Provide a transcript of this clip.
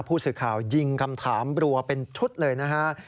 ผู้สื่อข่าวยิงคำถามรัวเป็นชุดเลยนะฮะ